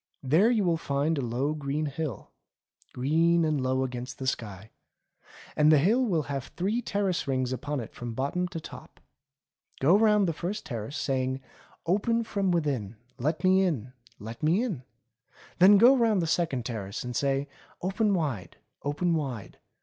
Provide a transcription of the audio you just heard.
There you will find a low green hill ; green and low against the sky. And the hill will have three terrace rings upon it from bot tom to top. Go round the first terrace saying : *Open from within ; Let me in ! Let me in !* Then go round the second terrace and say : 'Open wide, open wide.